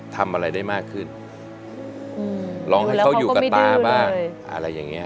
ทำอะไรได้มากขึ้นร้องให้เขาอยู่กับตาบ้างอะไรอย่างเงี้